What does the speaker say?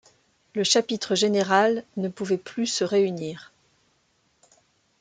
Le chapitre général ne pouvait plus se réunir.